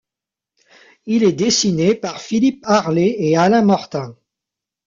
Il est dessiné par Philippe Harlé et Alain Mortain.